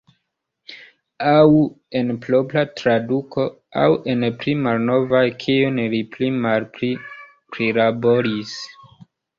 Aŭ en propra traduko, aŭ en pli malnovaj kiujn li pli malpli prilaboris.